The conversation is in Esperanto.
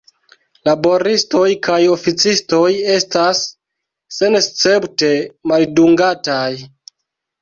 Laboristoj kaj oﬁcistoj estas senescepte maldungataj.